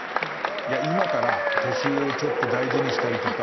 いや今から年上をちょっと大事にしたりとか。